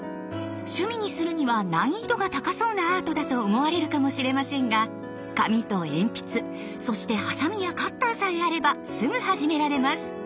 趣味にするには難易度が高そうなアートだと思われるかもしれませんが紙と鉛筆そしてハサミやカッターさえあればすぐ始められます！